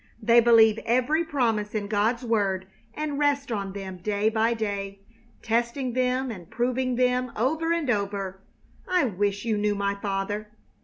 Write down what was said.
They believe every promise in God's word, and rest on them day by day, testing them and proving them over and over. I wish you knew my father!"